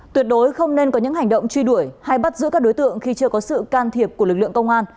tuyệt đối không nên có những hành động truy đuổi hay bắt giữ các đối tượng khi chưa có sự can thiệp của lực lượng công an